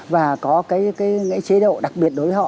và có cái chế độ đặc biệt đối với họ